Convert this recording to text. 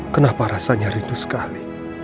kenapa rasanya rindu sekali